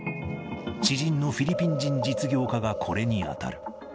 知人のフィリピン人実業家がこれに当たる。